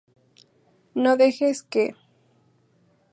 No dejes que...